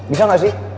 bisa gak sih